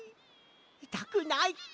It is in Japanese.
いたくない！